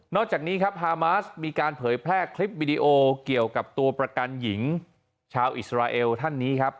จากนี้ครับฮามาสมีการเผยแพร่คลิปวิดีโอเกี่ยวกับตัวประกันหญิงชาวอิสราเอลท่านนี้ครับ